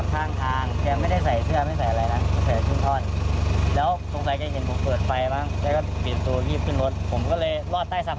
ผมก็พูดใส่ไมค์วิทยุสาหรัมพวะบอกจอดจอดครับจอดครับ